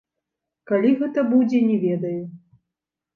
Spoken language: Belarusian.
Калі гэта будзе, не ведаю.